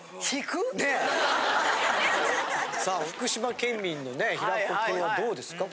さあ福島県民のね平子君はどうですか？